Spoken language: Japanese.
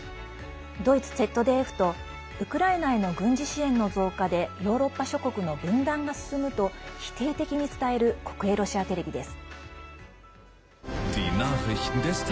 ドイツＺＤＦとウクライナへの軍事支援の増加でヨーロッパ諸国の分断が進むと否定的に伝える国営ロシアテレビです。